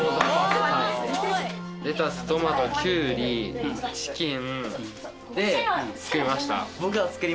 レタストマトキュウリチキンで作りました。